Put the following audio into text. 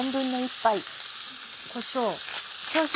こしょう。